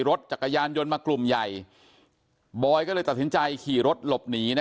รถจักรยานยนต์มากลุ่มใหญ่บอยก็เลยตัดสินใจขี่รถหลบหนีนะ